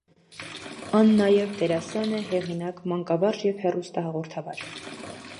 Ան նաեւ դերասան է, հեղինակ, մանկավարժ եւ հեռուստահաղորդավար։